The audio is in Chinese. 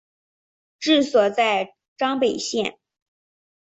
治所在张北县。